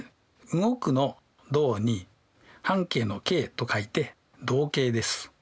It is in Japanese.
動くの「動」に半径の「径」と書いて動径です。